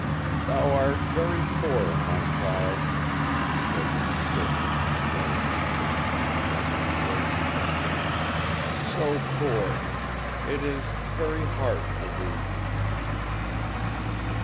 "Thou art very poor, my child," he said with a quiver the more in his aged, trembling voice "so poor! It is very hard for thee."